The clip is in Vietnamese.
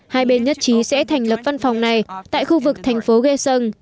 hai bên nhất trí sẽ thành lập văn phòng này tại khu vực thành phố ghe sơn